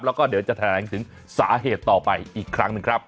แล้วก็เดี๋ยวจะแถลงถึงสาเหตุต่อไปอีกครั้งหนึ่งครับ